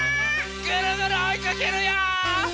ぐるぐるおいかけるよ！